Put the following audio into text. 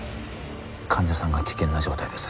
患者さんが危険な状態です